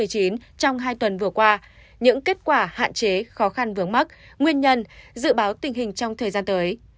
trong hai tuần vừa qua những kết quả hạn chế khó khăn vướng mắt nguyên nhân dự báo tình hình trong thời gian tới